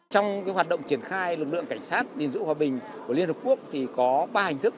trong hoạt động triển khai lực lượng cảnh sát gìn giữ hòa bình của liên hợp quốc thì có ba hình thức